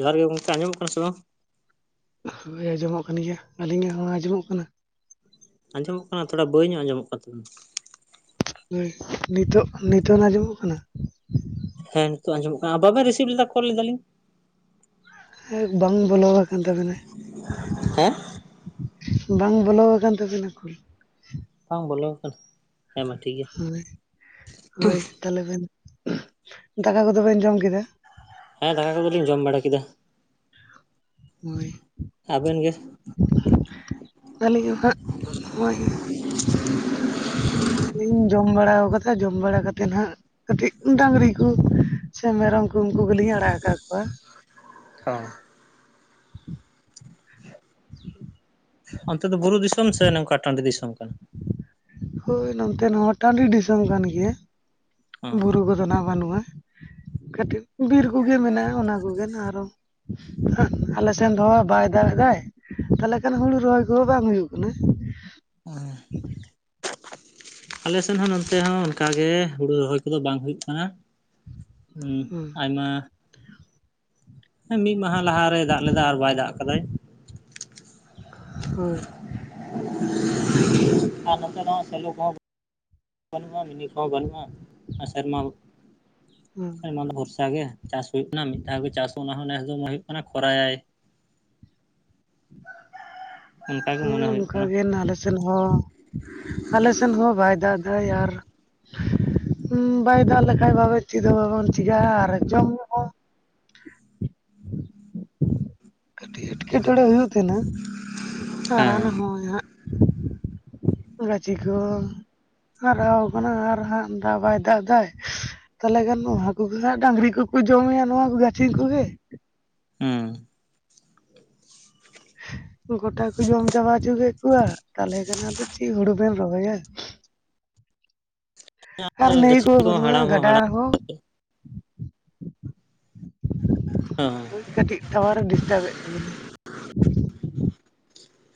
ᱡᱚᱦᱟᱨ ᱜᱮ ᱜᱚᱝᱠᱮ ᱟᱸᱡᱚᱢᱚᱜ ᱠᱟᱱᱟ ᱥᱮ ᱵᱟᱝ? ᱦᱳᱭ ᱟᱸᱡᱚᱢᱚᱜ ᱠᱟᱱ ᱜᱮᱭᱟ ᱟᱹᱞᱤᱧᱟᱜ ᱦᱚᱸ ᱟᱸᱡᱚᱢᱚᱜ ᱠᱟᱱᱟ? ᱟᱸᱡᱚᱢᱚᱜ ᱠᱟᱱᱟ ᱛᱷᱚᱲᱟ ᱵᱟᱹᱭ ᱧᱚᱜ ᱟᱸᱡᱚᱢᱚᱜ ᱠᱟᱱ ᱛᱟᱵᱤᱱᱟ ᱦᱳᱭ ᱱᱤᱛᱚᱜ ᱱᱤᱛᱚᱜ ᱱᱟ ᱟᱸᱡᱚᱢᱚᱜ ᱠᱟᱱᱟ? ᱦᱮᱸ ᱱᱤᱛᱚᱜ ᱟᱸᱡᱚᱢᱚᱜ ᱠᱟᱱᱟ ᱵᱟᱵᱮᱱ ᱨᱤᱥᱤᱵᱷ ᱞᱮᱫᱟ ᱠᱚᱞ ᱞᱮᱫᱟᱞᱤᱧ? ᱦᱮᱸ ᱵᱟᱝ ᱵᱚᱞᱚ ᱟᱠᱟᱱ ᱛᱟᱵᱮᱱᱟ ᱦᱮᱸ ᱵᱟᱝ ᱵᱚᱞᱚ ᱟᱠᱟᱱ ᱛᱟᱵᱤᱱᱟ ᱠᱷᱩᱞ ᱵᱟᱝ ᱵᱚᱞᱚ ᱟᱠᱟᱱᱟ ᱦᱮᱸ ᱢᱟ ᱴᱷᱤᱠ ᱜᱮᱭᱟ ᱦᱳᱭ ᱦᱳᱭ ᱛᱟᱦᱚᱞᱮ ᱵᱮᱱ ᱫᱟᱠᱟ ᱠᱚᱫᱚ ᱵᱮᱱ ᱡᱚᱢ ᱠᱮᱫᱟ? ᱦᱮᱸ ᱫᱟᱠᱟ ᱠᱚᱫᱚ ᱞᱤᱧ ᱡᱚᱢ ᱵᱟᱲᱟ ᱠᱮᱫᱟ᱾ ᱦᱳᱭ ᱟᱵᱮᱱ ᱜᱮ? ᱟᱹᱞᱤᱧ ᱦᱚᱸ ᱦᱟᱸᱜ ᱱᱚᱜᱚᱭ ᱤᱧ ᱡᱚᱢ ᱵᱟᱲᱟᱣ ᱠᱟᱫᱟ ᱡᱚᱢ ᱵᱟᱲᱟ ᱠᱟᱛᱮᱱ ᱦᱟᱸᱜ ᱠᱟᱹᱴᱤᱡ ᱰᱟᱝᱜᱨᱤ ᱠᱩ ᱪᱷᱮ ᱢᱮᱨᱚᱢ ᱠᱩ ᱩᱱᱠᱩ ᱜᱮᱞᱤᱧ ᱟᱲᱟᱜ ᱟᱠᱟ ᱠᱚᱣᱟ᱾ ᱚ [unintelligible] ᱚᱱᱛᱮ ᱫᱚ ᱵᱩᱨᱩ ᱫᱤᱥᱚᱢ ᱥᱮ ᱱᱚᱝᱠᱟ ᱴᱟᱺᱰᱤ ᱫᱤᱥᱚᱢ ᱠᱟᱱᱟ? ᱦᱳᱭ ᱱᱚᱱᱛᱮ ᱦᱚᱸ ᱴᱟᱺᱰᱤ ᱫᱤᱥᱚᱢ ᱠᱟᱱ ᱜᱮᱭᱟ ᱚ ᱵᱩᱨᱩ ᱠᱚᱫᱚ ᱱᱟᱜ ᱵᱟᱹᱱᱩᱜᱼᱟ᱾ ᱠᱟᱹᱴᱤᱡ ᱵᱤᱨ ᱠᱩᱜᱤ ᱢᱮᱱᱟᱜᱼᱟ ᱚᱱᱟ ᱠᱩᱜᱮ ᱟᱨᱚ ᱦᱟᱸ ᱟᱞᱮ ᱥᱮᱱ ᱫᱚ ᱵᱟᱭ ᱫᱟᱜᱽ ᱮᱫᱟᱭ ᱛᱟᱦᱚᱞᱮ ᱠᱷᱟᱱ ᱦᱩᱲᱩ ᱨᱚᱦᱚᱭ ᱠᱚᱦᱚᱸ ᱵᱟᱝ ᱦᱩᱭᱩᱜ ᱠᱟᱱᱟ? ᱟᱞᱮ ᱥᱮᱱ ᱦᱚᱸ ᱱᱚᱱᱛᱮ ᱦᱚᱸ ᱚᱱᱠᱟ ᱜᱮ ᱦᱩᱲᱩ ᱨᱚᱦᱚᱭ ᱠᱚᱫᱚ ᱵᱟᱝ ᱦᱩᱭᱩᱜ ᱠᱟᱱᱟ᱾ ᱦᱩᱸ [unintelligible] ᱟᱭᱢᱟ ᱮᱸ ᱢᱤᱫ ᱢᱟᱦᱟ ᱞᱟᱦᱟᱨᱮᱭ ᱫᱟᱜ ᱞᱮᱫᱟ ᱟᱨ ᱵᱟᱭ ᱫᱟᱜ ᱠᱟᱫᱟᱭ᱾ ᱦᱳᱭ ᱾ ᱟᱨ ᱱᱚᱛᱮ ᱫᱚ ᱦᱟᱸᱜ ᱥᱮᱞᱳ ᱠᱚᱦᱚᱸ ᱵᱟᱹᱱᱩᱜ-ᱟ ᱢᱤᱱᱤ ᱠᱚᱦᱚᱸ ᱵᱟᱹᱱᱩᱜ-ᱟ ᱟᱨ ᱥᱮᱨᱢᱟ ᱦᱚᱸ ᱦᱩᱸ᱾ ᱵᱷᱚᱨᱥᱟ ᱜᱮ ᱪᱟᱥ ᱦᱩᱭᱩᱜ ᱠᱟᱱᱟ ᱢᱤᱫ ᱫᱷᱟᱣ ᱜᱮ ᱪᱟᱥ ᱚᱱᱟ ᱦᱚᱸ ᱱᱮᱥ᱾ ᱢᱚᱱᱮ ᱦᱩᱭᱩᱜ ᱠᱟᱱᱟ ᱠᱷᱚᱨᱟᱭᱟᱭ᱾ ᱚᱱᱠᱟ ᱜᱮ ᱢᱚᱱᱮ ᱦᱳᱭ ᱦᱩᱭᱩᱜ ᱠᱟᱱᱟ ᱱᱠᱟᱜᱮ ᱱᱟ ᱟᱞᱮ ᱥᱮᱱ ᱦᱚᱸ ᱟᱞᱮ ᱥᱮᱱ ᱦᱚᱸ ᱵᱟᱭ ᱫᱟᱜ ᱫᱟᱭ, ᱟᱨ ᱵᱟᱭ ᱫᱟᱜ ᱞᱮᱠᱷᱟᱡ ᱫᱚ ᱟᱫᱚ ᱪᱮᱫ ᱦᱚᱸ ᱵᱟᱵᱚᱱ ᱪᱤᱠᱟᱹᱜ-ᱟ, ᱟᱨ ᱡᱚᱢ ᱦᱚᱸ ᱠᱟᱹᱴᱤᱡ ᱮᱴᱠᱮᱴᱚᱬᱮ ᱦᱩᱭᱩᱜ ᱛᱟᱦᱮᱸᱱᱟ᱾ [inaudible] ᱦᱚᱸ ᱦᱮᱸ ᱦᱟᱸᱜ ᱜᱟᱹᱪᱷᱤ ᱠᱚ ᱦᱟᱨᱟᱣ ᱠᱟᱱᱟ ᱟᱨ ᱦᱟᱸᱜ ᱫᱟᱜ ᱵᱟᱭ ᱫᱟᱜ ᱫᱟᱭ ᱾ ᱛᱟᱦᱚᱞᱮ ᱜᱟᱱ ᱱᱚᱣᱟ ᱦᱟᱠᱩ ᱜᱮ ᱦᱟᱸᱜ ᱰᱟᱝᱨᱤ ᱠᱚᱠᱚ ᱡᱚᱢ ᱧᱩᱭᱟ ᱱᱚᱣᱟ ᱠᱚ ᱜᱟᱹᱪᱷᱤ ᱠᱚᱜᱮ᱾ ᱦᱩᱸ᱾ ᱜᱚᱴᱟ ᱠᱚ ᱡᱚᱢ ᱪᱟᱵᱟ ᱦᱩᱪᱩ ᱠᱮᱫ ᱠᱚᱣᱟ ᱛᱟᱦᱚᱞᱮ ᱠᱷᱟᱱ ᱟᱫᱚ ᱪᱤ ᱦᱩᱲᱩ ᱵᱮᱱ ᱨᱚᱦᱚᱭᱟ᱾ ᱟᱨ ᱱᱟᱹᱭ ᱜᱟᱹᱪᱷᱤ ᱠᱚᱦᱚᱸ ᱵᱟᱹᱱᱩᱜ-ᱟ ᱦᱟᱲᱟᱢ ᱦᱚᱸ ᱜᱟᱰᱟ ᱨᱮᱦᱚᱸ [unintelligible] [unintelligible] ᱠᱟᱹᱴᱤᱡ ᱴᱟᱣᱟᱨᱮ ᱰᱤᱥᱴᱟᱵᱮ ᱛᱟᱵᱮᱱᱟᱭ᱾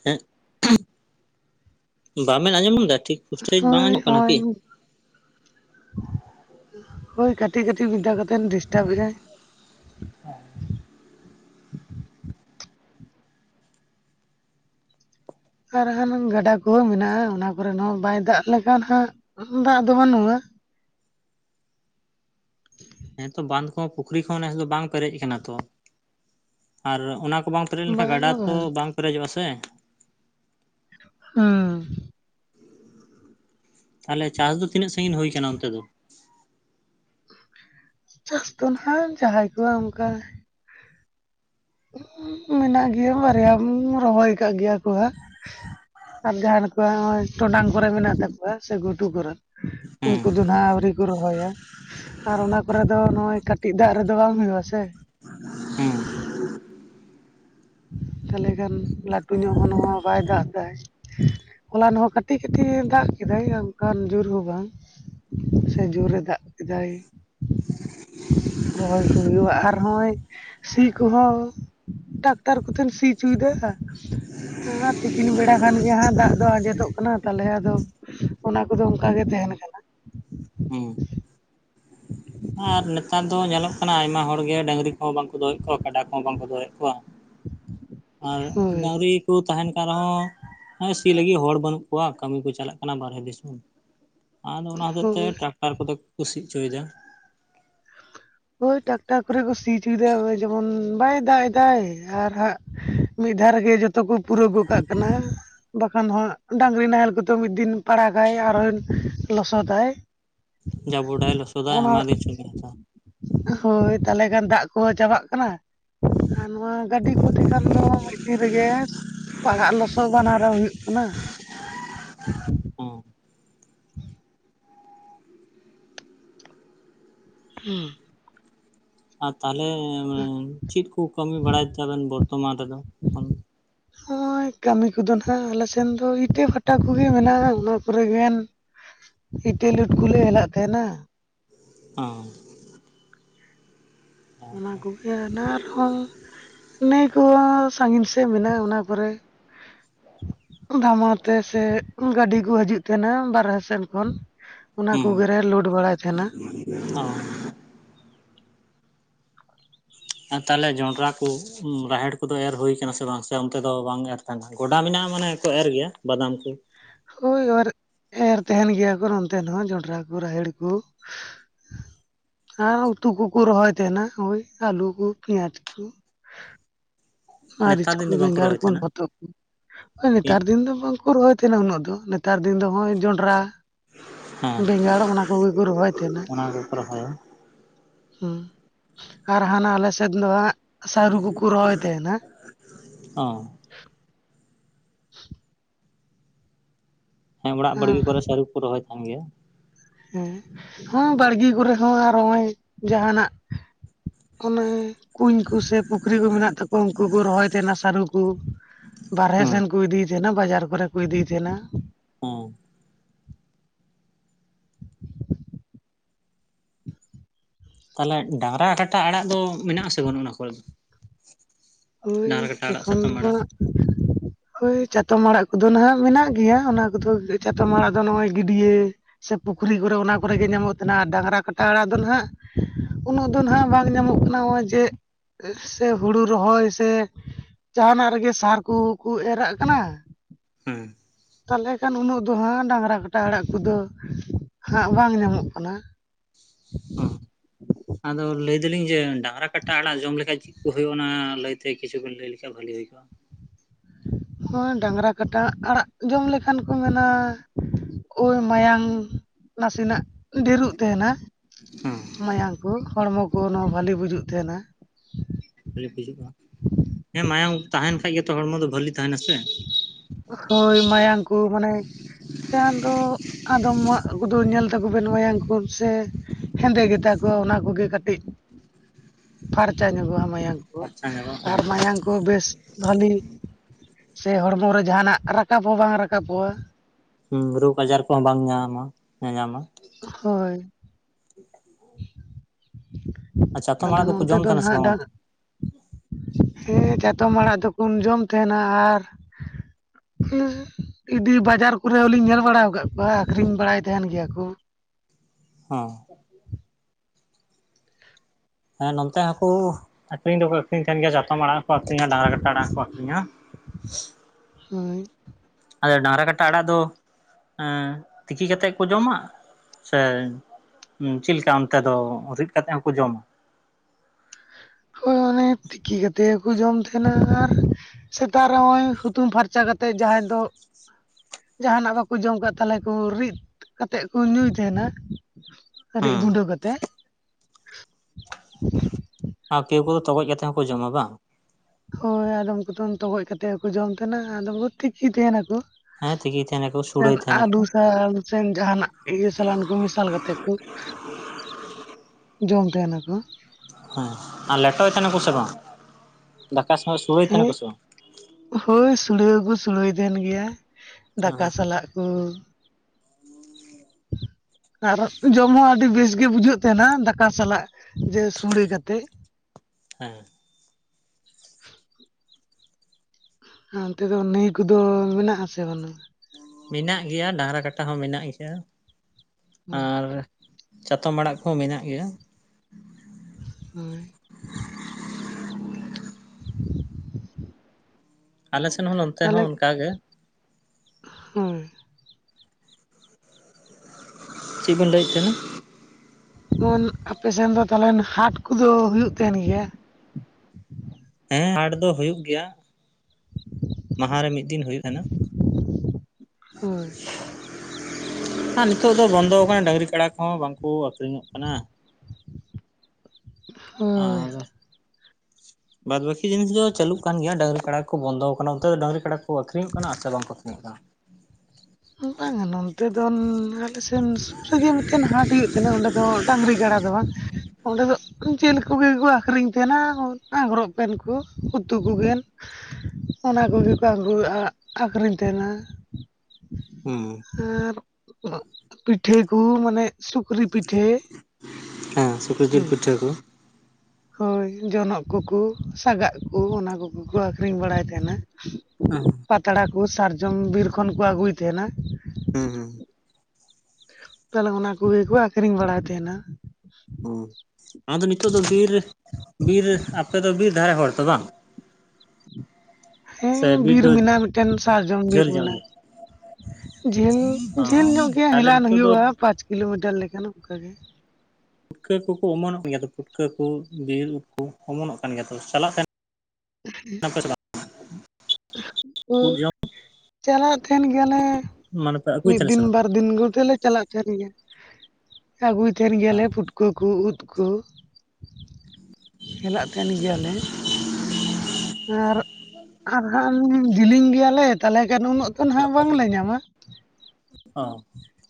ᱦᱮᱸ ᱵᱟᱸᱵᱤᱱ ᱟᱸᱡᱚᱢ ᱫᱟ ᱴᱷᱤᱠ ᱦᱳᱥᱴᱮᱡ ᱵᱟᱝ ᱦᱳᱭ ᱟᱸᱡᱚᱜ ᱠᱟᱱᱟ ᱦᱳᱭ ᱠᱤ? ᱦᱳᱭ ᱠᱟᱹᱴᱤᱡ ᱠᱟᱹᱴᱤᱡ ᱢᱤᱫ ᱫᱷᱟᱣ ᱠᱟᱛᱷᱮᱱ ᱰᱤᱥᱴᱟᱵ ᱮᱟᱭ ᱾ [unintelligible] ᱠᱟ ᱨᱮᱦᱚᱸ ᱱᱩᱝ ᱜᱟᱰᱟ ᱠᱚᱦᱚᱸ ᱢᱮᱱᱟᱜ-ᱟ ᱚᱱᱟ ᱠᱚᱨᱮᱱ ᱦᱚᱸ ᱵᱟᱭ ᱫᱟᱜ ᱞᱮᱠᱷᱟᱱ ᱦᱟᱸᱜ ᱫᱟᱜ ᱫᱚ ᱵᱟᱱᱩᱜ-ᱟ᱾ ᱦᱮᱸᱛᱚ ᱵᱟᱸᱫᱷ ᱠᱚᱦᱚᱸ ᱯᱩᱠᱷᱨᱤ ᱠᱚᱦᱚᱸ ᱱᱮᱥ ᱫᱚ ᱵᱟᱝ ᱯᱮᱨᱮᱡ ᱟᱠᱟᱱᱟ ᱛᱚ, ᱟᱨ ᱚᱱᱟ ᱠᱚ ᱵᱟᱝ ᱯᱨᱮᱡ ᱞᱮᱱᱠᱷᱟᱱ ᱜᱟᱰᱟ ᱛᱚ ᱵᱟᱝ ᱯᱮᱨᱮᱡᱚᱜ-ᱟ ᱥᱮ᱾ ᱦᱩᱸᱢ ᱛᱟᱦᱚᱞᱮ ᱪᱟᱥ ᱫᱚ ᱛᱤᱱᱟᱹᱜ ᱥᱟᱺᱜᱤᱱ ᱦᱩᱭ ᱟᱠᱟᱱᱟ ᱚᱱᱛᱮ ᱫᱚ? ᱪᱟᱥ ᱫᱚ ᱱᱟ ᱦᱟᱸᱜ ᱡᱟᱦᱟᱸᱭ ᱠᱚᱣᱟ ᱚᱱᱠᱟ ᱢᱮᱱᱟᱜ ᱜᱮᱭᱟ ᱵᱟᱨᱭᱟᱢ ᱨᱚᱦᱚᱭ ᱟᱠᱟᱜ ᱜᱮᱭᱟ ᱠᱚ ᱦᱟᱸᱜ ᱾ ᱟᱨᱱᱡᱟᱨᱱ ᱠᱚᱭᱟ ᱱᱚ-ᱚᱭ ᱴᱚᱸᱰᱟᱝ ᱠᱚᱨᱮ ᱢᱮᱱᱟᱜ ᱛᱟᱠᱚᱣᱟ ᱥᱮ ᱜᱷᱩᱴᱩ ᱠᱚᱨᱮ, ᱦᱩᱸ ᱩᱱᱠᱩ ᱫᱚ ᱱᱟᱦᱟᱜ ᱟᱹᱣᱨᱤ ᱠᱚ ᱨᱚᱦᱚᱭᱟ ᱟᱨ ᱚᱱᱟ ᱠᱚᱨᱮ ᱫᱚ ᱱᱚ-ᱚᱭ ᱠᱟᱴ ᱠᱟᱹᱴᱤᱡ ᱫᱟᱜ ᱨᱮᱫᱚ ᱵᱟᱝ ᱦᱩᱭᱩᱜ-ᱟ ᱥᱮ᱾ ᱦᱩᱸ ᱛᱟᱦᱚᱞᱮ ᱠᱷᱟᱱ ᱞᱟᱹᱴᱩ ᱧᱚᱜ ᱦᱚᱸ ᱢᱟ ᱵᱟᱭ ᱫᱟᱜ ᱫᱟᱭ᱾ ᱦᱚᱞᱟᱱᱚᱜ ᱠᱟᱹᱴᱤᱡ ᱠᱟᱹᱴᱤᱡ ᱫᱟᱜ ᱠᱮᱫᱟᱭ ᱚᱱᱠᱟ ᱡᱳᱨ ᱦᱚᱸ ᱵᱟᱝ᱾ ᱥᱮ ᱡᱳᱨᱮ ᱫᱟᱜ ᱠᱤᱫᱟᱭ ᱨᱚᱦᱚᱭ ᱠᱚ ᱦᱩᱭᱩᱜ-ᱟ ᱟᱨ ᱦᱚᱸᱜ-ᱚᱭ ᱥᱤ ᱠᱚᱦᱚᱸ ᱛᱟᱨ ᱠᱚᱛᱮᱢ ᱥᱤ ᱦᱚᱪᱚᱭᱫᱟ᱾ ᱦᱟᱸ ᱛᱤᱠᱤᱱ ᱵᱮᱲᱟ ᱠᱷᱟᱱ ᱜᱮ ᱦᱟᱸᱜ ᱫᱟᱜ ᱫᱚ ᱟᱸᱡᱮᱫᱚᱜ ᱠᱟᱱᱟ ᱛᱟᱦᱚᱞᱮ ᱟᱫᱚ ᱚᱱᱟ ᱠᱚᱫᱚ ᱚᱱᱠᱟ ᱜᱮ ᱛᱟᱦᱮᱱ ᱠᱟᱱᱟ᱾ ᱦᱩᱸ ᱟᱨ ᱱᱮᱛᱟᱨ ᱫᱚ ᱧᱮᱞᱚᱜ ᱠᱟᱱᱟ ᱟᱭᱢᱟ ᱦᱚᱲᱜᱮ ᱰᱟᱹᱝᱨᱤ ᱠᱚᱦᱚᱸ ᱵᱟᱝᱠᱚ ᱫᱚᱦᱚᱭᱮᱫ ᱠᱚᱣᱟ ᱠᱟᱰᱟ ᱠᱚᱦᱚᱸ ᱵᱟᱝᱠᱚ ᱫᱚᱦᱚᱭᱮᱫ ᱠᱚᱣᱟ ᱾ [unintelligible] ᱟᱨ ᱦᱳᱭ ᱰᱟᱹᱝᱨᱤ ᱠᱚ ᱛᱟᱦᱮᱱ ᱠᱟᱱ ᱨᱮᱦᱚᱸ ᱦᱟᱸᱭ ᱥᱤ ᱞᱟᱹᱜᱤᱫ ᱦᱚᱲ ᱵᱟᱹᱱᱩᱜ ᱠᱚᱣᱟ᱾ ᱠᱟᱹᱢᱤ ᱠᱚ ᱪᱟᱞᱟᱜ ᱠᱟᱱᱟ ᱵᱟᱦᱨᱮ ᱫᱤᱥᱚᱢ᱾ ᱟᱫᱚ ᱚᱱᱟ ᱦᱚᱛᱮᱜ ᱛᱮ ᱦᱳᱭ ᱴᱨᱟᱠᱴᱟᱨ ᱠᱚᱫᱚ ᱠᱚ ᱥᱤ ᱦᱚᱪᱚᱭᱮᱫᱟ᱾ ᱦᱳᱭ ᱴᱟᱠᱴᱟᱨ ᱠᱚᱨᱮ ᱠᱚ ᱥᱤ ᱦᱚᱪᱚᱭᱮᱫᱟ ᱳᱭ ᱡᱮᱢᱚᱱ ᱵᱟᱭ ᱫᱟᱜ ᱮᱫᱟ ᱟᱨ ᱦᱟᱸᱜ ᱢᱤᱫ ᱫᱟᱣ ᱨᱮᱜᱮ ᱡᱚᱛᱚ ᱠᱚ ᱯᱩᱨᱟᱹᱣ ᱜᱚᱜ ᱠᱟᱜ ᱠᱟᱱᱟ᱾ ᱵᱟᱠᱷᱟᱱ ᱦᱟᱸᱜ ᱰᱟᱝᱨᱤ ᱱᱟᱦᱮᱞ ᱠᱚᱫᱚ ᱢᱤᱫ ᱫᱤᱱ ᱯᱟᱲᱟᱜᱟᱭ ᱟᱨᱦᱚᱸ ᱞᱚᱥᱚᱫᱟᱭ᱾ ᱡᱟᱵᱚᱰᱟᱭ, ᱞᱚᱥᱚᱫᱟᱭ ᱚᱱᱟ ᱟᱭᱢᱟ ᱫᱤᱱ ᱥᱚᱢᱚᱭᱮ ᱦᱟᱛᱟᱣᱟ᱾ ᱦᱳᱭ ᱛᱟᱦᱚᱞᱮ ᱠᱷᱟᱱ ᱫᱟᱜ ᱠᱚᱦᱚᱸ ᱪᱟᱵᱟᱜ ᱠᱟᱱᱟ᱾ ᱟᱨ ᱱᱚᱣᱟ ᱜᱟᱹᱰᱤ ᱠᱚᱛᱮ ᱠᱷᱟᱱ ᱫᱚ ᱢᱤᱫ ᱫᱤᱱ ᱨᱮᱜᱮ ᱯᱟᱲᱟᱜ ᱞᱚᱥᱚᱫ ᱵᱟᱱᱟᱨ ᱦᱩᱭᱩᱜ ᱠᱟᱱᱟ᱾ ᱦᱩᱸ᱾ ᱦᱩᱸ᱾ ᱟᱨ ᱛᱟᱦᱚᱞᱮ ᱪᱮᱫ ᱠᱚ ᱠᱟᱹᱢᱤ ᱵᱟᱲᱟᱭ ᱛᱟᱵᱮᱱ ᱵᱚᱨᱛᱚᱢᱟᱱ ᱨᱮᱫᱚ ᱮᱠᱷᱚᱱ? [inaudible] ᱱᱚᱜ-ᱚᱭ ᱠᱟᱹᱢᱤ ᱠᱚᱫᱚ ᱱᱟᱦᱟᱜ ᱟᱞᱮᱥᱮᱱ ᱫᱚ ᱤᱴᱟᱹ ᱵᱷᱟᱴᱟ ᱠᱚᱜᱮ ᱢᱮᱱᱟᱜ-ᱟ, ᱚᱱᱟ ᱠᱚᱨᱮ ᱜᱮᱱ ᱤᱴᱟᱹ ᱞᱳᱴ ᱠᱚᱞᱮ ᱦᱮᱞᱟᱜ ᱛᱟᱦᱮᱸᱱᱟ᱾ ᱚ᱾ ᱚᱱᱟ ᱠᱚᱜᱮ ᱟᱱ ᱟᱨᱦᱚᱸ ᱱᱟᱹᱭ ᱠᱚ ᱥᱟᱺᱜᱤᱧ ᱥᱮᱫ ᱢᱮᱱᱟᱜ-ᱟ, ᱚᱱᱟ ᱠᱚᱨᱮ᱾ ᱫᱷᱟᱢᱟ ᱛᱮ ᱥᱮ ᱜᱟᱹᱰᱤ ᱠᱚ ᱦᱤᱡᱩᱜ ᱛᱟᱦᱮᱱᱟ ᱵᱟᱨᱦᱮ ᱥᱮᱱ ᱠᱷᱚᱱ᱾ ᱚᱱᱟ ᱠᱚᱜᱮ ᱨᱮ ᱞᱳᱰ ᱵᱟᱲᱟᱭ ᱛᱟᱦᱮᱱᱟ᱾ ᱚ᱾ ᱟ ᱛᱟᱦᱚᱞᱮ ᱡᱚᱸᱱᱰᱨᱟ ᱠᱚ, ᱨᱟᱦᱮᱲ ᱠᱚᱫᱚ ᱮᱨ ᱦᱩᱭ ᱠᱟᱠᱟ ᱥᱮ ᱵᱟᱝ ᱥᱮ ᱚᱱᱛᱮ ᱫᱚ ᱵᱟᱝ ᱮᱨ ᱠᱟᱱᱟ᱾ ᱜᱚᱰᱟ ᱢᱮᱱᱟᱜ-ᱟ ᱢᱟᱱᱮ ᱜᱮᱠᱚ ᱮᱨ ᱜᱮᱭᱟ ᱵᱟᱫᱟᱢ ᱠᱚ᱾ ᱦᱳᱭ ᱟᱨ ᱮᱨ ᱛᱟᱦᱮᱱ ᱜᱮᱭᱟ ᱠᱚ ᱱᱚᱱᱛᱮ ᱫᱚ ᱦᱟᱸᱜ ᱡᱚᱱᱰᱨᱟ ᱠᱚ, ᱨᱟᱦᱮᱲ ᱠᱚ᱾ ᱟᱨ ᱩᱛᱩ ᱠᱚᱠᱚ ᱨᱚᱦᱚᱭ ᱛᱟᱦᱮᱱᱟ ᱳᱭ ᱟᱹᱞᱩ ᱠᱚ, ᱯᱮᱸᱭᱟᱡ ᱠᱚ᱾ ᱢᱟᱹᱨᱤᱪ ᱱᱮᱛᱟᱨ ᱠᱚ, ᱫᱤᱱ ᱫᱚ ᱵᱟᱝᱠᱚ ᱵᱮᱸᱜᱟᱲ ᱨᱚᱦᱚᱭ ᱠᱚ, ᱚᱱᱟ ᱛᱟᱦᱮᱱᱟ ᱦᱚᱛᱚᱜ ᱠᱚ᱾ ᱦᱮᱸ ᱱᱮᱛᱟᱨ ᱫᱤᱱ ᱫᱚ ᱵᱟᱝᱠᱚ ᱨᱚᱦᱚᱭ ᱛᱟᱦᱮᱱᱟ ᱩᱱᱟᱹᱜ ᱫᱚ᱾ ᱱᱮᱛᱟᱨ ᱫᱤᱱ ᱦᱚᱸᱜ-ᱚᱭ ᱡᱚᱱ ᱰᱨᱟ, ᱵᱮᱸᱜᱟᱲ ᱚᱱᱟ ᱠᱚᱜᱮ ᱠᱚ ᱨᱚᱦᱚᱭ ᱛᱟᱦᱮᱱᱟ᱾ ᱚᱱᱟ ᱠᱚᱠᱚ ᱨᱚᱦᱚᱭᱟ ᱦᱩᱸ᱾ ᱟᱨ ᱦᱟᱱᱟ ᱟᱞᱮ ᱥᱮᱫ ᱨᱮᱱᱟᱜ ᱥᱟᱹᱨᱩ ᱠᱚᱠᱚ ᱨᱚᱦᱚᱭ ᱛᱟᱦᱮᱱᱟ᱾ ᱚ᱾ [inaudible] ᱦᱮᱸ ᱚᱲᱟᱜ ᱟᱨ ᱵᱟᱲᱜᱮ ᱠᱚᱨᱮ ᱥᱟᱹᱨᱩ ᱠᱚᱠᱚ ᱨᱚᱦᱚᱭ ᱛᱟᱦᱮᱱ ᱜᱮᱭᱟ᱾ ᱦᱮ᱾ᱸ ᱦᱚᱸ ᱵᱟᱲᱜᱮ ᱠᱚᱨᱮ ᱦᱚᱸ ᱟᱨ ᱦᱚᱸᱜᱼᱚᱭ ᱡᱟᱦᱟᱱᱟᱜ᱾ ᱚᱱᱟ ᱠᱩᱧ ᱠᱚ ᱥᱮ ᱯᱩᱠᱷᱨᱤ ᱠᱚ ᱢᱮᱱᱟᱜ ᱛᱟᱠᱩᱣᱟ, ᱩᱱᱠᱩ ᱠᱚ ᱨᱚᱦᱚᱭ ᱛᱟᱦᱮᱸᱱᱟ ᱥᱟᱨᱩ ᱠᱩ ᱵᱟᱨᱦᱮ ᱦᱮᱸ ᱥᱮᱱ ᱠᱚ ᱤᱫᱤ ᱛᱟᱦᱮᱱᱟ ᱵᱟᱡᱟᱨ ᱠᱚᱨᱮ ᱠᱚ ᱤᱫᱤ ᱛᱟᱦᱮᱱᱟ᱾ ᱦᱩᱸ᱾ [inaudible] ᱛᱟᱦᱚᱞᱮ ᱰᱟᱝᱨᱟ ᱠᱟᱴᱟ ᱟᱲᱟᱜ ᱫᱚ ᱢᱮᱱᱟᱜ ᱟᱥᱮ ᱵᱟᱹᱱᱩᱜᱼᱟ ᱚᱱᱟ ᱠᱚᱨᱮ ᱫᱚ? ᱳᱭ ᱰᱟᱝᱨᱟ ᱠᱟᱴᱟ ᱟᱲᱟᱜ ᱮᱠᱷᱚᱱ ᱫᱚ ᱥᱟᱛᱟᱢ ᱟᱲᱟᱜ ᱵᱟᱸᱜ᱾ ᱳᱭ ᱪᱟᱛᱚᱢ ᱟᱲᱟᱜ ᱠᱚᱫᱚ ᱱᱟᱦᱟᱜ ᱢᱮᱱᱟᱜ ᱜᱮᱭᱟ, ᱚᱱᱟ ᱠᱚᱫᱚ ᱪᱟᱛᱚᱢ ᱟᱲᱟᱜ ᱫᱚ ᱱᱚᱜ-ᱚᱭ ᱜᱤᱰᱭᱟᱹ ᱥᱮ ᱯᱩᱠᱷᱨᱤ ᱠᱚᱨᱮ, ᱚᱱᱟ ᱠᱚᱨᱮ ᱜᱮ ᱧᱟᱢᱚᱜ ᱠᱟᱱᱟ ᱟᱨ ᱰᱟᱝᱨᱟ ᱠᱟᱴᱟ ᱟᱲᱟᱜ ᱫᱚ ᱱᱟᱦᱟᱜ ᱩᱱᱟᱹᱜ ᱫᱚ ᱱᱟᱦᱟᱜ ᱵᱟᱝ ᱧᱟᱢᱚᱜ ᱠᱟᱱᱟ ᱦᱚᱸᱜᱼᱚᱭ ᱡᱮ ᱥᱮ ᱦᱩᱲᱩ ᱨᱚᱦᱚᱭ᱾ ᱥᱮ ᱡᱟᱦᱟᱱᱟᱜ ᱨᱮᱜᱮ ᱥᱟᱨ ᱠᱩᱠᱩ ᱮᱨᱟᱜ ᱠᱟᱱᱟ᱾ ᱦᱩᱸ ᱛᱟᱦᱚᱞᱮ ᱠᱷᱟᱱ ᱩᱱᱟᱹᱜ ᱫᱚ ᱦᱟᱸᱜ ᱰᱟᱝᱨᱟ ᱠᱟᱴᱟ ᱟᱲᱟᱜ ᱠᱚᱫᱚ ᱦᱟᱸᱜ ᱵᱟᱝ ᱧᱟᱢᱚᱜ ᱠᱟᱱᱟ᱾ ᱚ ᱟᱫᱚ ᱞᱟᱹᱭ ᱫᱟᱞᱤᱧ ᱡᱮ ᱰᱟᱝᱨᱟ ᱠᱟᱴᱟ ᱟᱲᱟᱜ ᱡᱚᱢ ᱞᱮᱠᱷᱟᱡ ᱦᱩᱭᱩᱜ ᱚᱱᱟ ᱞᱟᱹᱭᱛᱮ ᱠᱤᱪᱷᱩ ᱵᱤᱱ ᱞᱟᱹᱭ ᱞᱮᱠᱷᱟᱡ ᱵᱷᱟᱹᱞᱤ ᱦᱩᱭ ᱠᱚᱜᱼᱟ᱾ ᱦᱚᱭ ᱰᱟᱝᱨᱟ ᱠᱟᱴᱟ ᱟᱲᱟᱜ ᱡᱚᱢ ᱞᱮᱠᱷᱟᱱ ᱠᱚ ᱢᱮᱱᱟ ᱳᱭ ᱢᱟᱭᱟᱝ ᱱᱟᱥᱮᱱᱟᱜ ᱰᱷᱮᱨᱚᱜ ᱛᱟᱦᱮᱱᱟ᱾ ᱦᱩᱸ ᱢᱟᱭᱟᱢ ᱠᱚ, ᱦᱚᱲᱢᱚ ᱠᱚ ᱱᱚᱣᱟ ᱵᱟᱹᱞᱤ ᱵᱩᱡᱩᱜ ᱛᱟᱦᱮᱱᱟ᱾ ᱵᱷᱟᱹᱞᱤ ᱵᱩᱡᱩᱜᱼᱟ, ᱦᱮᱸ ᱢᱟᱭᱟᱝ ᱛᱟᱦᱮᱱ ᱠᱷᱟ ᱜᱮᱛᱚ ᱦᱚᱲᱢᱚ ᱫᱚ ᱵᱷᱟᱹᱞᱤ ᱛᱟᱦᱮᱱᱟ ᱥᱮ᱾ ᱦᱳᱭ ᱢᱟᱭᱟᱝ ᱠᱚ ᱢᱟᱱᱮ, ᱡᱟᱸᱦᱟ ᱫᱚ ᱟᱫᱚᱢᱟᱜ ᱠᱚᱫᱚ ᱧᱮᱞ ᱛᱟᱠᱚ ᱵᱮᱱ ᱢᱟᱭᱟᱝ ᱠᱚ ᱥᱮ ᱦᱮᱸᱫᱮ ᱜᱮ ᱛᱟᱠᱚᱣᱟ, ᱚᱱᱟ ᱠᱚᱜᱮ ᱠᱟᱹᱴᱤᱡ ᱯᱷᱟᱨᱪᱟ ᱧᱚᱜᱚᱜᱼᱟ ᱢᱟᱭᱟᱝ᱾ ᱯᱷᱟᱨᱪᱟ ᱧᱚᱜᱚᱜ ᱦᱮᱸ ᱟᱨ ᱢᱟᱭᱟᱢ ᱠᱚ ᱵᱮᱥ ᱵᱷᱟᱹᱞᱤ ᱥᱮ ᱦᱚᱲᱢᱚ ᱨᱮ ᱡᱟᱦᱟᱱᱟᱜ ᱨᱟᱠᱟᱵ ᱦᱚᱸ ᱵᱟᱝ ᱨᱟᱠᱟᱵᱚᱜᱼᱟ᱾ ᱨᱳᱜᱽ ᱟᱡᱟᱨ ᱠᱚᱦᱚᱸ ᱵᱟᱝ ᱧᱟᱢᱟ ᱧᱮᱧᱟᱢᱟ᱾ ᱦᱳᱭ [unintelligible] ᱟᱨ ᱪᱟᱛᱚᱢ ᱛᱟᱦᱞᱮ ᱟᱲᱟᱜ ᱫᱚᱠᱚ ᱱᱚᱱᱛᱮ ᱡᱚᱢ ᱫᱚ ᱛᱟᱦᱮᱱᱟ ᱥᱮ ᱱᱟᱜᱷ ᱵᱟᱝ ᱰᱟᱠ ᱚᱱᱛᱮ? ᱦᱮᱸ ᱪᱟᱛᱚᱢ ᱟᱲᱟᱜ ᱫᱚᱠᱚ ᱡᱚᱢ ᱛᱟᱦᱮᱱᱟ, ᱟᱨ ᱦᱮᱸ, ᱤᱫᱤ ᱵᱟᱡᱟᱨ ᱠᱚᱨᱮ ᱦᱚᱞᱤᱧ ᱧᱮᱞ ᱵᱟᱲᱟ ᱟᱠᱟᱫ ᱠᱚᱣᱟ ᱟᱠᱷᱨᱤᱧ ᱵᱟᱲᱟᱭ ᱛᱟᱦᱮᱱ ᱜᱮᱭᱟ ᱠᱚ᱾ ᱦ ᱦᱮᱸ ᱱᱚᱛᱮ ᱦᱚᱸᱠᱩ ᱟᱠᱷᱨᱤᱧ ᱫᱚᱠᱚ ᱟᱠᱷᱨᱤᱧ ᱛᱟᱦᱮᱱ ᱜᱮᱭᱟ ᱡᱟᱚᱛᱚᱢ ᱟᱲᱟᱜ ᱦᱚᱸᱠᱚ ᱟᱹᱷᱨᱤᱧᱟ, ᱰᱟᱝᱨᱟ ᱠᱟᱴᱟ ᱟᱲᱟᱜ ᱦᱚᱸᱠᱚ ᱟᱠᱷᱨᱤᱧᱟ᱾ [unintelligible] ᱦᱳᱭ ᱟᱫᱚ ᱰᱟᱝᱨᱟ ᱠᱟᱴᱟ ᱟᱲᱟᱜ ᱫᱚ ᱮ ᱛᱤᱠᱤ ᱠᱟᱛᱮᱜ ᱠᱚ ᱡᱚᱢᱟ? ᱥᱮ ᱪᱮᱫ ᱞᱮᱠᱟ ᱚᱱᱛᱮ ᱫᱚ ᱨᱤᱫ ᱠᱟᱛᱮᱜ ᱦᱚᱸᱠᱚ ᱡᱚᱢᱟ? ᱳᱭ ᱚᱱᱮ ᱛᱤᱠᱤ ᱠᱟᱛᱮᱫ ᱜᱮᱠᱚ ᱡᱚᱢ ᱛᱟᱦᱮᱱᱟ ᱟᱨ ᱥᱮᱛᱟᱜ ᱨᱮ ᱱᱚᱜᱼᱚᱭ ᱦᱩᱛᱩᱢ ᱯᱷᱟᱨᱪᱟ ᱠᱟᱛᱮᱜ ᱡᱟᱦᱟᱸᱭ ᱫᱚ ᱡᱟᱦᱟᱱᱟᱜ ᱵᱟᱠᱚ ᱡᱚᱢ ᱠᱟᱜ ᱛᱟᱞᱚᱞᱮ ᱠᱚ ᱨᱤᱫ ᱠᱟᱛᱮᱜ ᱠᱚ ᱧᱩᱭ ᱛᱟᱦᱮᱱᱟ᱾ ᱨᱤᱫ ᱜᱩᱸᱰᱟᱹ ᱠᱟᱛᱮᱜ᱾ ᱟᱨ ᱠᱮᱣ ᱠᱚᱫᱚ ᱛᱚᱜᱚᱡ ᱠᱟᱛᱮ ᱦᱚᱸᱠᱚ ᱡᱚᱢᱟ ᱵᱟᱝ? ᱦᱳᱭ ᱟᱫᱚᱢ ᱠᱚᱫᱚᱢ ᱴᱠᱚᱚᱡ ᱠᱟᱛᱮᱫ ᱦᱚᱸ ᱠᱚ ᱡᱚᱢ ᱛᱟᱦᱮᱱᱟ, ᱟᱫᱚᱢ ᱠᱚ ᱛᱤᱠᱤ ᱛᱟᱸᱦᱮᱱᱟᱠᱚ᱾ ᱦᱮᱸ ᱛᱤᱠᱤᱭ ᱛᱟᱦᱮᱱᱟᱠᱚ ᱥᱩᱲᱟᱹᱭ ᱛᱟᱦᱮᱱᱟᱠᱚ ᱟᱞᱩᱥᱟᱞ ᱥᱮ ᱡᱟᱦᱱᱟᱜ ᱤᱭᱟᱹ ᱥᱟᱞᱟᱢ ᱠᱚ ᱢᱮᱥᱟᱞ ᱠᱟᱛᱮ ᱠᱚ ᱡᱚᱢ ᱛᱟᱸᱦᱮᱱᱟᱠᱚ᱾ ᱦᱮᱸ ᱟᱨ ᱞᱮᱴᱚᱭ ᱛᱟᱦᱮᱱᱟ ᱠᱚᱥ ᱵᱟᱝ? ᱫᱟᱠᱟ ᱥᱚᱢᱚᱭ ᱥᱚᱲᱮ ᱛᱟᱦᱮᱱᱟ ᱠᱚ ᱦᱮᱸ ᱥᱮ ᱵᱟᱝ? ᱦᱳᱭ ᱥᱩᱲᱮ ᱦᱚᱸᱠᱚ ᱥᱩᱲᱮ ᱛᱟᱦᱮᱱ ᱜᱮᱭᱟ ᱫᱟᱠᱟ ᱵᱟᱝ ᱥᱟᱞᱟᱜ ᱠᱩ᱾ ᱟᱨ ᱡᱚᱢ ᱦᱚᱸ ᱟᱹᱰᱤ ᱵᱮᱥ ᱜᱮ ᱵᱩᱡᱷᱟᱹᱜ ᱛᱟᱦᱮᱱᱟ ᱫᱟᱠᱟ ᱥᱟᱞᱟᱜ ᱡᱮ ᱥᱚᱲᱮ ᱠᱟᱛᱮᱫ᱾ ᱦᱮᱸ ᱚᱱᱛᱮ ᱫᱚ ᱱᱟᱹᱭ ᱠᱚᱫᱚ ᱢᱮᱱᱟᱜᱼᱟ ᱥᱮ ᱵᱟᱱᱩᱜᱼᱟ? ᱢᱮᱱᱟᱜ ᱜᱮᱭᱟ ᱰᱟᱝᱨᱟ ᱠᱟᱴᱟ ᱦᱚᱸ ᱢᱮᱱᱟᱜ ᱜᱮᱭᱟ, ᱦᱳᱭ ᱟᱨ ᱪᱟᱛᱚᱢ ᱟᱲᱟᱜ ᱠᱚᱸᱦᱚ ᱢᱮᱱᱟᱜ ᱜᱮᱭᱟ᱾ ᱦᱳᱭ ᱟᱞᱮ ᱥᱮᱱ ᱦᱚᱸ ᱱᱚᱱᱛᱮ ᱛᱟᱦᱚᱞᱮ ᱦᱚᱸ ᱚᱱᱠᱟ ᱜᱮ᱾ ᱦᱳᱭ ᱪᱮᱫ ᱵᱮᱱ ᱞᱟᱹᱭᱮᱫ ᱛᱟᱸᱦᱮᱱᱟ? [unintelligible] ᱟᱯᱮ ᱥᱮᱱ ᱫᱚ ᱛᱟᱞᱮᱱ ᱦᱟᱴ ᱠᱩᱫᱚ ᱦᱩᱭᱩᱜ ᱛᱟᱸᱦᱮᱱ ᱜᱮᱭᱟ? ᱦᱩᱸ, ᱦᱟᱴ ᱫᱚ ᱦᱩᱭᱩᱜ ᱜᱮᱭᱟ᱾ ᱞᱟᱦᱟ ᱨᱮ ᱢᱤᱫ ᱫᱤᱱ ᱦᱩᱭ ᱟᱠᱟᱱᱟ᱾ ᱦᱳᱭ ᱟᱨ ᱱᱤᱛᱳᱜ ᱫᱚ ᱵᱚᱱᱫᱚᱣ ᱠᱟᱱᱟ ᱰᱟᱹᱝᱨᱤ ᱠᱟᱲᱟ ᱠᱚᱦᱚᱸ ᱵᱟᱝᱠᱚ ᱟᱹᱠᱷᱨᱤᱧᱚᱜ ᱠᱟᱱᱟ᱾ ᱦᱳᱭ ᱟᱨ [inaudible] ᱵᱟᱫᱽ ᱵᱟᱹᱠᱤ ᱡᱤᱱᱤᱥ ᱫᱚ ᱪᱟᱹᱞᱩᱜ ᱠᱟᱱ ᱜᱮᱭᱟ ᱰᱟᱹᱝᱨᱤ ᱠᱟᱲᱟ ᱠᱚ ᱵᱚᱱᱫᱚ ᱟᱠᱟᱱᱟ ᱚᱱᱛᱮ ᱫᱚ ᱰᱟᱹᱝᱨᱤ ᱠᱟᱲᱟ ᱠᱚ ᱟᱹᱷᱨᱤᱧᱚᱜ ᱠᱟᱱᱟ ᱥᱮ ᱵᱟᱝᱠᱚ ᱟᱹᱠᱷᱨᱤᱧᱚᱜ ᱠᱟᱱᱟ? ᱵᱟᱝᱟ ᱱᱚᱱᱛᱮ ᱫᱚᱱ ᱟᱞᱮ ᱥᱮᱱ ᱥᱩᱫᱩ ᱢᱤᱫᱴᱮᱱ ᱦᱟᱴ ᱦᱩᱭᱩᱜ ᱛᱟᱸᱦᱮᱱᱟ ᱚᱸᱰᱮ ᱫᱚ ᱰᱟᱹᱟᱝᱨᱤ ᱠᱟᱲᱟ ᱫᱚ ᱵᱟᱝ᱾ ᱚᱸᱰᱮ ᱫᱚ ᱡᱤᱞ ᱠᱚᱜᱮ ᱠᱚ ᱟᱠᱷᱨᱤᱧ ᱛᱟᱸᱦᱮᱱᱟ ᱟᱸᱜᱽᱨᱚᱵ ᱯᱮᱱ ᱠᱚ ᱩᱛᱩ ᱠᱚᱜᱮ᱾ ᱚᱱᱟ ᱠᱚᱜᱮ ᱠᱚ ᱟᱜᱩ, ᱟᱠᱷᱨᱤᱧ ᱛᱟᱸᱦᱮᱱᱟ᱾ ᱦᱩᱸ᱾ ᱟᱨ ᱯᱤᱴᱷᱟᱹ ᱠᱚ ᱢᱟᱱᱮ ᱥᱩᱠᱨᱤ ᱯᱤᱴᱷᱟᱹ ᱦᱮᱸ ᱥᱩᱠᱨᱤ ᱡᱤᱞ ᱦᱩᱸ᱾ ᱯᱤᱴᱷᱟᱹ ᱠᱚ ᱦᱳᱭ ᱡᱚᱱᱚᱜ ᱠᱚᱠᱩ ᱥᱟᱜᱟᱜ ᱠᱩ ᱚᱱᱟ ᱠᱚᱜᱮ ᱠᱚ ᱟᱠᱷᱨᱤᱧ ᱵᱟᱲᱟᱭ ᱛᱟᱸᱦᱮᱱᱟ᱾ ᱦᱩᱸ ᱯᱟᱛᱲᱟ ᱠᱩ ᱥᱟᱨᱡᱚᱢ ᱵᱤᱨ ᱠᱷᱚᱱ ᱠᱚ ᱟᱹᱜᱩᱭ ᱛᱟᱸᱦᱮᱱᱟ᱾ ᱦᱩᱸ ᱦᱩᱸ᱾ ᱛᱟᱦᱞᱮ ᱚᱱᱟ ᱠᱚᱜᱮ ᱠᱚ ᱟᱠᱷᱨᱤᱧ ᱵᱟᱲᱟᱭ ᱛᱟᱸᱦᱮᱱᱟ᱾ ᱦᱩᱸ, ᱟᱫᱚ ᱱᱤᱛᱳᱜ ᱫᱚ ᱵᱤᱨ ᱵᱤᱨ ᱟᱯᱮᱫᱚ ᱵᱤᱨ ᱫᱷᱟᱨᱮ ᱦᱚᱲ ᱛᱚ ᱵᱟᱝ? ᱥᱮ ᱦᱮᱸ ᱵᱤᱨ ᱫᱚ ᱢᱮᱱᱟᱜ-ᱟ ᱢᱤᱫᱴᱮᱱ ᱥᱟᱨᱡᱚᱢ ᱵᱤᱨ ᱡᱷᱟᱹᱞ ᱧᱚᱜ ᱜᱮᱭᱟ ᱢᱮᱱᱟᱜ-ᱟ᱾ ᱡᱷᱟᱹᱞ ᱚ ᱡᱷᱟᱹᱞ ᱜᱚᱝᱠᱮ ᱛᱟᱦᱚᱞᱮ ᱦᱮᱞᱟᱱ ᱱᱤᱛᱚᱜ ᱫᱚ ᱦᱩᱭᱩᱜᱼᱟ ᱯᱟᱸᱪ ᱠᱤᱞᱳᱢᱤᱴᱟᱨ ᱞᱮᱠᱟᱱ ᱚᱱᱠᱟᱜᱮ᱾ ᱯᱷᱩᱴᱠᱟᱹ ᱠᱚᱠᱩ ᱚᱢᱚᱱᱚᱜ ᱜᱮᱭᱟ ᱛᱚ, ᱯᱩᱴᱠᱟᱹ ᱠᱚ, ᱵᱤᱨ ᱩᱫ ᱠᱩ ᱚᱢᱚᱱᱚᱜ ᱠᱟᱱ ᱜᱮᱭᱟ ᱛᱚ ᱪᱟᱞᱟᱜ ᱠᱟᱱ [unintelligible] [unintelligible] ᱩᱫ [unintelligible] ᱪᱟᱞᱟᱜ ᱛᱟᱸᱦᱮᱱ ᱜᱮᱭᱟᱞᱮ᱾ ᱢᱟᱱᱮ ᱯᱮ ᱟᱹᱜᱩᱭ ᱢᱤᱫ ᱛᱟᱦᱮᱱᱟ ᱥᱮ ᱫᱤᱱ ᱵᱟᱝ ᱵᱟᱨ ᱫᱤᱱ ᱜᱚᱛᱮᱞᱮ ᱪᱟᱞᱟᱜ ᱛᱟᱸᱦᱮᱱ ᱜᱮᱭᱟ᱾ ᱟᱹᱜᱩᱭ ᱛᱟᱸᱦᱮᱱ ᱜᱮᱭᱟᱞᱮ ᱦᱮᱸ ᱯᱩᱴ ᱠᱟᱹ ᱠᱚ ᱩᱫ ᱠᱚ ᱦᱮᱞᱟᱜ ᱛᱟᱸᱦᱮᱱ ᱜᱮᱭᱟᱞᱮ᱾ ᱟᱨ ᱟᱨ ᱦᱟᱸᱜ ᱡᱤᱞᱤᱧ ᱜᱮᱭᱟᱞᱮ ᱛᱟᱦᱞᱮ ᱠᱷᱟᱱ ᱩᱱᱟᱹᱜ ᱛᱚ ᱱᱟᱦᱟᱜ ᱞᱟᱛᱟᱨ ᱵᱟᱝᱞᱮ ᱨᱮᱜᱮ ᱧᱟᱢᱟ᱾ ᱚ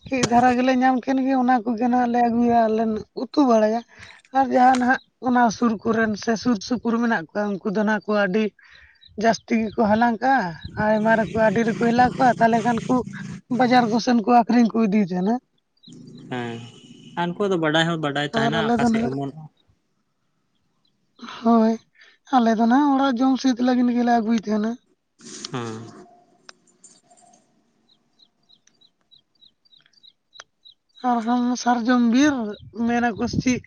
ᱠᱟᱺᱡ ᱫᱷᱟᱨᱟ ᱜᱮᱞᱮ ᱦᱮᱸ ᱧᱟᱢ ᱠᱮᱱ ᱜᱮ ᱚᱱᱟ ᱠᱚᱜᱮ ᱱᱟᱜ ᱞᱮ ᱟᱹᱜᱩᱭᱟ ᱟᱨᱞᱮ ᱩᱛᱩ ᱵᱟᱲᱟᱭᱟ᱾ ᱟᱨ ᱡᱟᱦᱟᱸ ᱱᱟᱦᱟᱜ ᱚᱱᱟ ᱥᱩᱨ ᱠᱚᱨᱮᱱ ᱥᱮ ᱥᱩᱨ ᱥᱩᱯᱩᱨ ᱢᱮᱱᱟᱜ ᱠᱚᱣᱟ ᱩᱱᱠᱩ ᱫᱚ ᱱᱟᱜ ᱠᱚ ᱟᱹᱰᱤ ᱡᱟᱹᱟᱥᱛᱤ ᱜᱮᱠᱚ ᱦᱟᱞᱟᱝ ᱟ, ᱟᱭᱢᱟ ᱨᱮᱠᱚ ᱟᱹᱰᱤ ᱨᱮᱠᱚ ᱦᱮᱞᱟᱣ ᱠᱚᱜ-ᱟ ᱛᱟᱦᱞᱮ ᱠᱷᱟᱱ ᱠᱚ ᱵᱟᱡᱟᱨ ᱠᱚ ᱥᱮᱱ ᱠᱚ ᱟᱠᱷᱨᱤᱧ ᱠᱚ ᱤᱫᱤᱭ ᱛᱟᱸᱦᱮᱱᱟ᱾ ᱦᱮᱸ ᱟᱨ ᱩᱱᱠᱩ ᱫᱚ ᱵᱟᱰᱟᱭ ᱦᱚᱸ ᱵᱟ ᱟᱨ ᱟᱞᱮ ᱫᱚ ᱱᱟᱜ ᱦᱳᱭ ᱟᱞᱮ ᱫᱚ ᱱᱟᱜ ᱚᱲᱟᱜ ᱡᱚᱢ ᱥᱮᱫ ᱞᱟᱹᱜᱤᱫ ᱜᱮᱞᱮ ᱟᱹᱜᱩᱭ ᱛᱟᱸᱦᱮᱱᱟ᱾ ᱦᱩᱸ᱾ ᱟᱨᱦᱚᱸ ᱥᱟᱨᱡᱚᱢ ᱵᱤᱨ ᱢᱮᱱᱟᱠᱚ ᱥᱮ ᱪᱮᱫ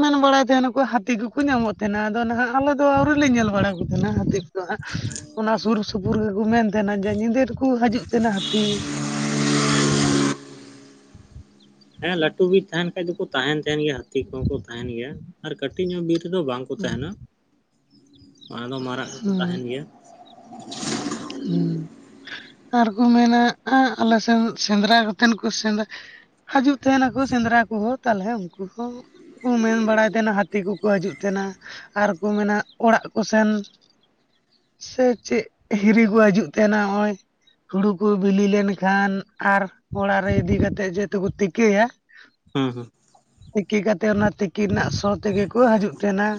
ᱢᱮᱱ ᱵᱟᱲᱟᱭ ᱛᱟᱸᱦᱮᱱᱟᱠᱚ ᱦᱟᱹᱛᱤ ᱠᱚᱠᱚ ᱧᱟᱢᱚᱜ ᱛᱟᱸᱦᱮᱱᱟ ᱟᱫᱚ ᱱᱟᱦᱟᱜ ᱟᱞᱮ ᱫᱚ ᱟᱹᱣᱨᱤ ᱞᱮ ᱧᱮᱞ ᱵᱟᱲᱟ ᱠᱚ ᱛᱟᱸᱦᱮᱱᱟ ᱦᱟᱹᱛᱤ [unintelligible] ᱚᱱᱟ ᱥᱩᱨ ᱥᱩᱯᱩᱨ ᱜᱮᱠᱚ ᱢᱮᱱ ᱛᱟᱸᱦᱮᱱᱟ ᱡᱮ ᱧᱤᱫᱟᱹ ᱨᱮᱠᱚ ᱦᱤᱡᱩᱜ ᱛᱟᱸᱦᱮᱱᱟ ᱦᱟᱹᱛᱤ᱾ ᱦᱮᱸ ᱞᱟᱹᱴᱩ ᱵᱤᱨ ᱛᱟᱸᱦᱮᱱ ᱠᱷᱟᱡ ᱫᱚᱠᱚ ᱛᱟᱸᱦᱮᱱ ᱛᱟᱦᱮᱱ ᱜᱮᱭᱟ ᱦᱟᱹᱛᱤ ᱠᱚᱦᱚᱸ ᱠᱚ ᱛᱟᱸᱦᱮᱱ ᱜᱮᱭᱟ ᱟᱨ ᱠᱟᱹᱴᱤᱡ ᱧᱚᱜ ᱵᱤᱨ ᱨᱮᱫᱚ ᱵᱟᱝ᱾ ᱠᱚ ᱛᱟᱸᱦᱮᱱᱟ ᱚᱱᱟ ᱫᱚ ᱢᱟᱨᱟᱜ ᱠᱚᱠᱚ ᱦᱩᱸ ᱛᱟᱸᱦᱮᱱ ᱜᱮᱭᱟ᱾ ᱦᱩᱸ, ᱟᱨᱠᱚ ᱢᱮᱱᱟ ᱟ ᱟᱞᱮ ᱥᱮᱱ ᱥᱮᱸᱫᱽᱨᱟ ᱠᱟᱛᱮᱱ ᱠᱚ ᱥᱮᱸᱫᱽ ᱦᱤᱡᱩᱜ ᱛᱟᱦᱮᱱᱟᱠᱚ ᱥᱮᱸᱫᱽᱨᱟ ᱠᱚᱦᱚᱸ ᱛᱟᱞᱦᱮ ᱩᱱᱠᱩ ᱦᱚᱸ ᱠᱚ ᱢᱮᱱ ᱵᱟᱲᱟᱭ ᱛᱟᱦᱮᱸᱱᱟ ᱦᱟᱹᱛᱤ ᱠᱚᱠᱚ ᱦᱤᱡᱩᱜ ᱛᱟᱦᱮᱸᱱᱟ ᱟᱨᱠᱚ ᱢᱮᱱᱟ ᱚᱲᱟᱜ ᱠᱚᱥᱮᱱ ᱥᱮ ᱪᱮᱫ ᱦᱤᱨᱤ ᱠᱚ ᱦᱤᱡᱩᱜ ᱛᱟᱦᱮᱱᱟ ᱱᱚᱜᱼᱚᱭ ᱦᱩᱲᱩ ᱠᱚ ᱵᱤᱞᱤ ᱞᱮᱱ ᱠᱷᱟᱱ ᱟᱨ ᱚᱲᱟᱜ ᱨᱮ ᱤᱫᱤ ᱠᱟᱛᱮᱜ ᱡᱮᱦᱮᱛᱩ ᱠᱚ ᱛᱤᱠᱤ ᱭᱟ᱾ ᱦᱩᱸ ᱦᱩᱸ᱾ ᱛᱤᱠᱤ ᱠᱟᱛᱮᱜ ᱚᱱᱟ ᱛᱤᱠᱤ ᱨᱮᱱᱟᱜ ᱥᱚ ᱛᱮᱜᱮ ᱠᱚ ᱦᱟᱹᱡᱩᱜ ᱛᱟᱦᱮᱱᱟ᱾